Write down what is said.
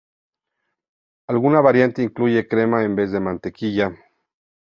Alguna variante incluye crema en vez de mantequilla.